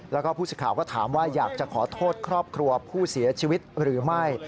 แล้วก็ผู้สิทธิ์ข่าวก็ถามว่าอยากจะขอโทษครอบครัวผู้เสียชีวิตหรือไม่